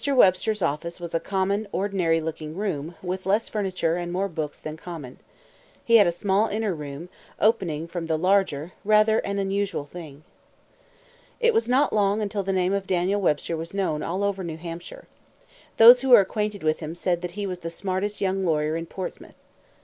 Webster's office was "a common, ordinary looking room, with less furniture and more books than common. He had a small inner room, opening from the larger, rather an unusual thing." It was not long until the name of Daniel Webster was known all over New Hampshire. Those who were acquainted with him said that he was the smartest young lawyer in Portsmouth.